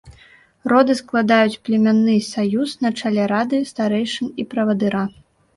Роды складаюць племянны саюз на чале рады старэйшын і правадыра.